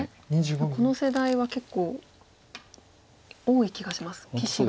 この世代は結構多い気がします棋士が。